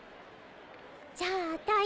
じゃああたい。